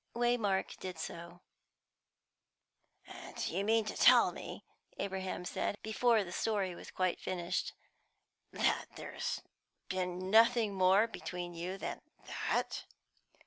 Waymark did so. "And you mean to tell me," Abraham said, before the story was quite finished, "that there's been nothing more between you than that?"